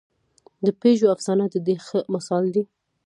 د پېژو افسانه د دې ښه مثال دی.